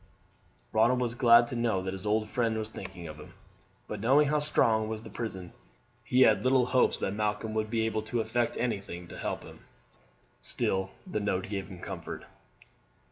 Ronald was glad to know that his old friend was thinking of him, but, knowing how strong was the prison, he had little hopes that Malcolm would be able to effect anything to help him. Still the note gave him comfort.